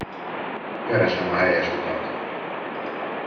Keresem a helyes utat.